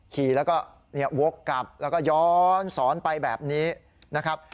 ขี่แล้วก็วกกลับแล้วก็ย้อนสอนไปแบบนี้นะครับ